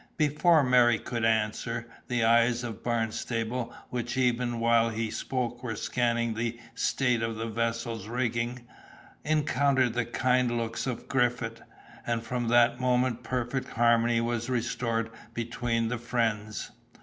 Before Merry could answer, the eyes of Barnstable which even while he spoke were scanning the state of the vessel's rigging, encountered the kind looks of Griffith, and from that moment perfect harmony was restored between the friends.